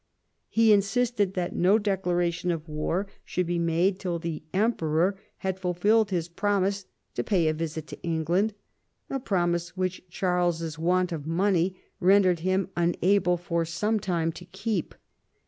He insisted that no declaration of war should be made till the Emperor had fulfilled his promise to pay a visit to Eng land, a promise which Charles's want of money rendered him unable for some time to keep.